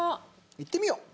いってみよう。